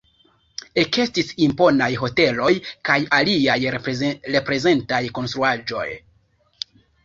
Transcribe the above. Ekestis imponaj hoteloj kaj aliaj reprezentaj konstruaĵoj.